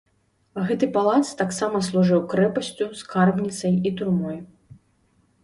Гэты палац таксама служыў крэпасцю, скарбніцай і турмой.